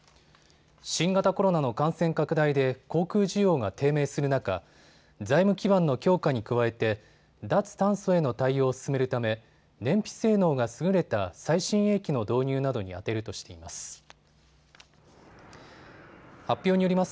新型コロナの感染拡大で航空需要が低迷する中、財務基盤の強化に加えて脱炭素への対応を進めるため燃費性能が優れた最新鋭機の導入などに充てるとしています。